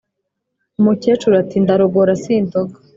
Umukecuru ati"ndarogora sindoga"